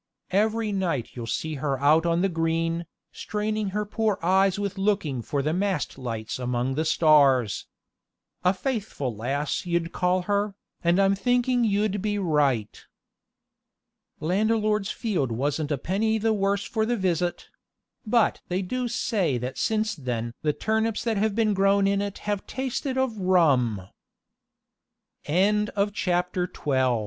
Every night you'll see her out on the green, straining her poor eyes with looking for the mast lights among the stars. A faithful lass you'd call her, and I'm thinking you'd be right. Landlord's field wasn't a penny the worse for the visit; but they do say that since then the turnips that have been grown in it have tasted of rum. THE TRANSPLANTED GHOST A CHRISTMAS